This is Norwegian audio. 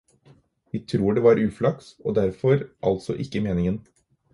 Vi tror det var uflaks, og derfor altså ikke meningen.